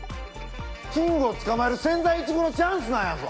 キングを捕まえる千載一遇のチャンスなんだぞ！